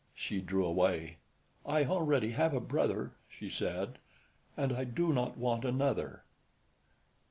She drew away. "I already have a brother," she said, "and I do not want another."